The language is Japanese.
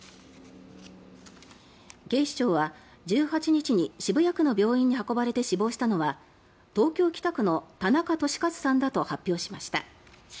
警視庁は１８日に渋谷区の病院に運ばれて死亡したのは東京・北区の田中寿和さんだと発表しました。